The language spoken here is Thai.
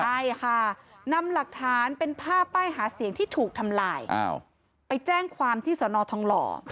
ใช่ค่ะนำหลักฐานเป็นภาพป้ายหาเสียงที่ถูกทำลายไปแจ้งความที่สนทองหล่อ